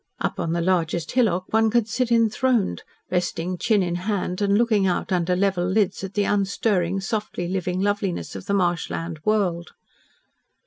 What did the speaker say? Up on the largest hillock one could sit enthroned, resting chin in hand and looking out under level lids at the unstirring, softly living loveliness of the marsh land world.